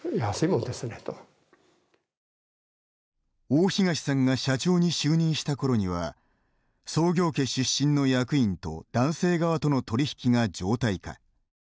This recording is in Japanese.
大東さんが社長に就任した頃には、創業家出身の役員と男性側との取り引きが常態化。